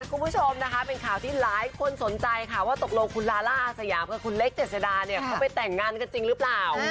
คุณผู้ชมนะคะเป็นข่าวที่หลายคนสนใจค่ะว่าตกลงคุณลาล่าอาสยามกับคุณเล็กเจษดาเนี่ยเขาไปแต่งงานกันจริงหรือเปล่า